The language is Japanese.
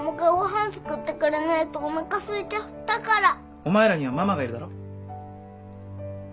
お前らにはママがいるだろ？